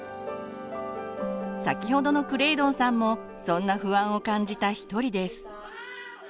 先ほどのクレイドンさんもそんな不安を感じた一人です。